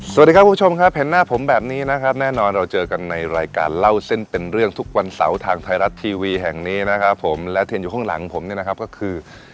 สวัสดีครับคุณผู้ชมครับเห็นหน้าผมแบบนี้นะครับแน่นอนเราเจอกันในรายการเล่าเส้นเป็นเรื่องทุกวันเสาร์ทางไทยรัฐทีวีแห่งนี้นะครับผมและเทียนอยู่ข้างหลังผมเนี่ยนะครับก็คือ